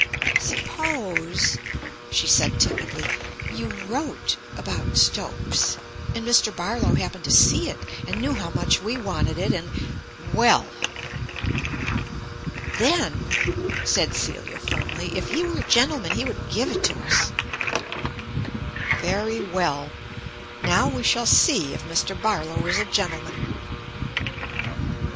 "Suppose," she said timidly, "you wrote about Stopes, and Mr. Barlow happened to see it, and knew how much we wanted it, and " "Well!" "Then," said Celia firmly, "if he were a gentleman he would give it to us." Very well. Now we shall see if Mr. Barlow is a gentleman.